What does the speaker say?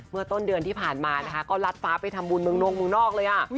เมื่อต้นเดือนที่ผ่านมานะคะก็รัดฟ้าไปทำบุญเมืองแล้ว